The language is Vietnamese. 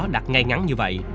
đặt ngay ngắn như vậy